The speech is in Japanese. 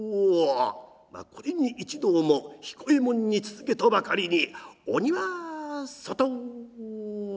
これに一同も彦右衛門に続けとばかりに「鬼は外」。